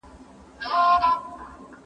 ته ولي کتاب ليکې